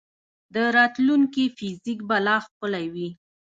د راتلونکي فزیک به لا ښکلی وي.